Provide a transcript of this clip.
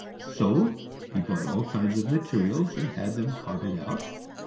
So he bought all kinds of materials and had them carted out.